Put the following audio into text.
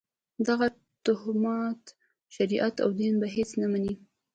دغه توهمات شریعت او دین په هېڅ نه مني.